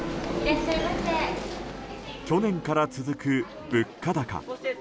去年から続く物価高。